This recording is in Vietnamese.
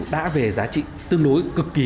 đã về giá trị tương đối cực kỳ